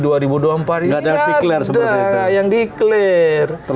ini ada yang di clear